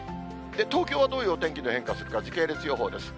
東京はどういうお天気の変化をするか、時系列予報です。